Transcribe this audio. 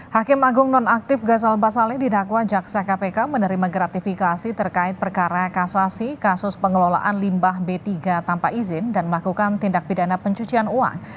hakim agung nonaktif gazal basali didakwa jaksa kpk menerima gratifikasi terkait perkara kasasi kasus pengelolaan limbah b tiga tanpa izin dan melakukan tindak pidana pencucian uang